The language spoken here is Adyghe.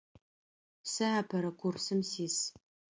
Сэ апэрэ курсым сис.